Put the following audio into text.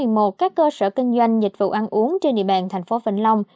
theo đó từ giờ ngày năm tháng một mươi một các cơ sở kinh doanh dịch vụ ăn uống trên địa bàn tp vĩnh long